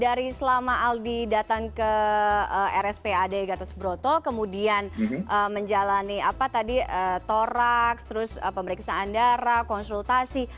dari selama aldi datang ke rspad gatotsebroto kemudian menjalani apa tadi thorax pemeriksaan darah konsultasi